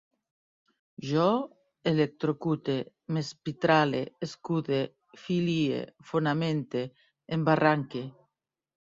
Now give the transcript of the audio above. Jo electrocute, m'espitrale, escude, filie, fonamente, embarranque